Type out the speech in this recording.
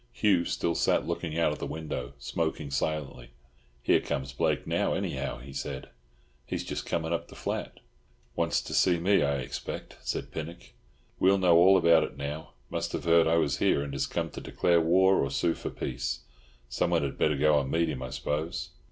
Hugh still sat looking out of the window, smoking silently. "Here comes Blake now, anyhow," he said. "He's just coming up the flat." "Wants to see me, I expect," said Pinnock. "We'll know all about it now. Must have heard I was here, and is come to declare war or sue for peace. Someone had better go and meet him, I suppose."